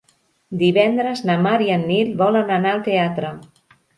Divendres na Mar i en Nil volen anar al teatre.